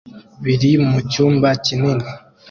biri mucyumba kinin